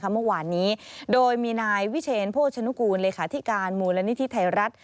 เมื่อวานนี้โดยมีนายวิเชนโภชนุกูลเลขาธิการมูลนิธิไทยรัฐ